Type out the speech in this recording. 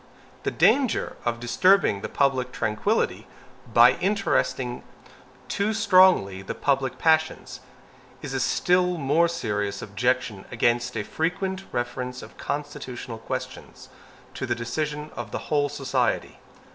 The danger of disturbing the public tranquillity by interesting too strongly the public passions, is a still more serious objection against a frequent reference of constitutional questions to the decision of the whole society.